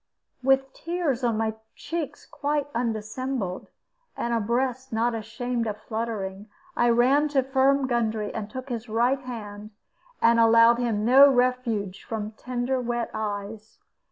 With tears on my cheeks quite undissembled, and a breast not ashamed of fluttering, I ran to Firm Gundry, and took his right hand, and allowed him no refuge from tender wet eyes.